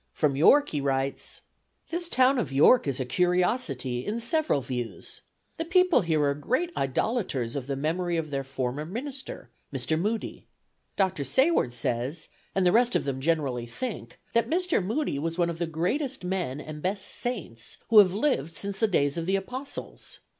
From York he writes: "This town of York is a curiosity, in several views. The people here are great idolaters of the memory of their former minister, Mr. Moody. Dr. Sayward says, and the rest of them generally think, that Mr. Moody was one of the greatest men and best saints who have lived since the days of the Apostles.